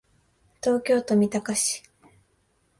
東京都三鷹市